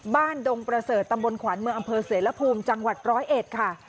บ้านดงประเสริฐตำบลขวัญเมืองอัมเภอเศรษฐพูมจังหวัดร้อยเอ็ดค่ะ